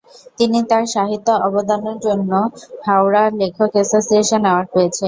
তিনি তার সাহিত্য অবদানের জন্য হাওড়া লেখক এসোসিয়েশন অ্যাওয়ার্ড পেয়েছেন।